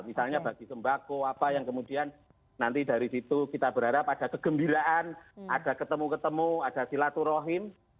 misalnya bagi sembako apa yang kemudian nanti dari situ kita berharap ada kegembiraan ada ketemu ketemu ada silaturahim